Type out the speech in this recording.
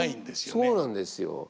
そうなんですよ。